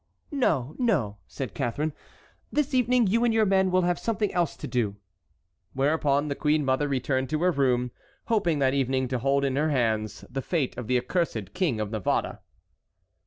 "No, no," said Catharine, "this evening you and your men will have something else to do." Whereupon the queen mother returned to her room, hoping that evening to hold in her hands the fate of the accursed King of Navarre.